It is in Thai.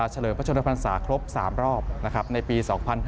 เฉลิมพระชนภัณฑ์ศาสตร์ครบ๓รอบในปี๒๕๐๖